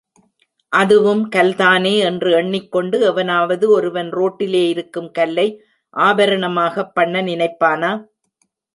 அதுவும் கல்தானே என்று எண்ணிக் கொண்டு எவனாவது ஒருவன் ரோட்டிலே இருக்கும் கல்லை ஆபரணமாகப் பண்ண நினைப்பானா?